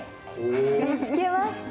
見つけました